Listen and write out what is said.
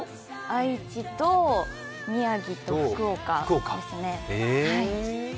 愛知と宮城と福岡ですね。